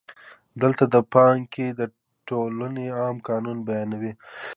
دلته د پانګې د ټولونې عام قانون بیانوو